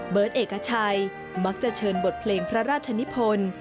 เอกชัยมักจะเชิญบทเพลงพระราชนิพล